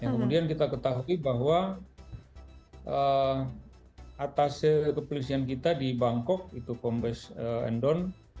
yang kemudian kita ketahui bahwa atas kepolisian kita di bangkok itu kombes endon